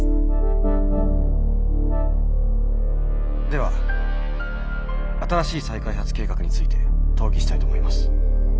「では新しい再開発計画について討議したいと思います。